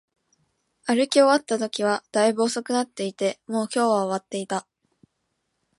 歩き終わったときは、大分遅くなっていて、もう今日は終わっていた